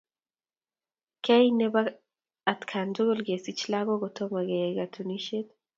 Kei nebo atkaan tugul kesich lagook kotomo keyai katunisyet